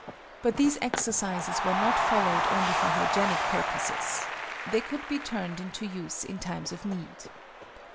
But these exercises were not followed only for hygienic purposes. They could be turned into use in times of need.